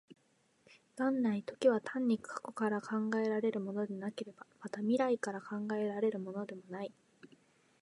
元来、時は単に過去から考えられるものでもなければ、また未来から考えられるものでもない。